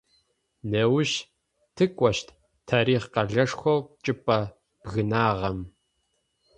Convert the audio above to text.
Неущ тыкӏощт тарихъ къэлэшхоу чӏыпӏэ бгынагъэм.